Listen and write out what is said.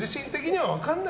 はい。